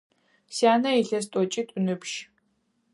Сянэ илъэс тӏокӏитӏу ыныбжь.